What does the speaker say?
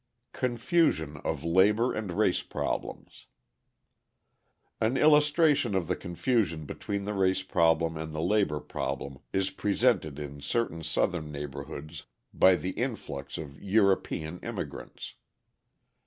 Confusion of Labour and Race Problems An illustration of the confusion between the race problem and the labour problem is presented in certain Southern neighbourhoods by the influx of European immigrants.